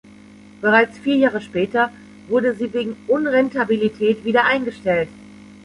Bereits vier Jahre später wurde sie wegen Unrentabilität wieder eingestellt.